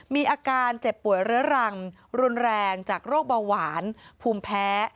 มีอาการเจ็บป่วยเรื้อรังรุนแรงจากโรคเบาหวานภูมิแพ้